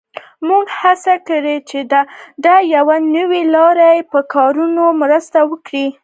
موږ هڅه کړې چې د یوې نوې لارې په کارونه مرسته وکړو